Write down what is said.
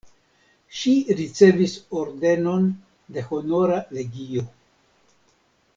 Ŝi ricevis ordenon de Honora legio.